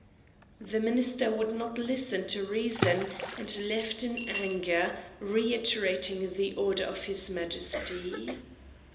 The Minister would not listen to reason, and left in anger, reiterating the order of his Majesty.